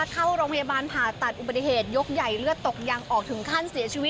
ค่ะใช่ใช่